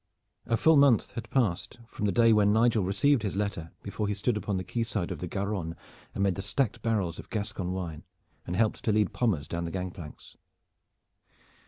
A full month has passed from the day when Nigel received his letter before he stood upon the quay side of the Garonne amid the stacked barrels of Gascon wine and helped to lead Pommers down the gang planks.